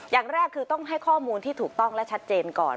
อย่างแรกคือต้องให้ข้อมูลที่ถูกต้องและชัดเจนก่อน